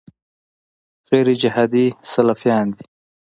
غیرجهادي سلفیان دي.